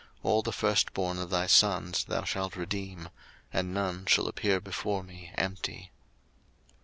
All the firstborn of thy sons thou shalt redeem. And none shall appear before me empty.